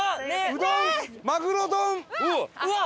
うわっ！